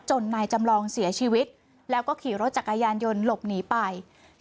นายจำลองเสียชีวิตแล้วก็ขี่รถจักรยานยนต์หลบหนีไป